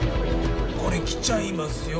これ来ちゃいますよ